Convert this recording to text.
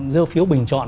dơ phiếu bình chọn